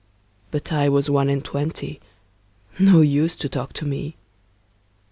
'But I was one and twenty, No use to talk to me.